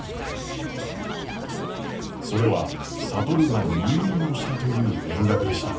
それは智が入院をしたという連絡でした。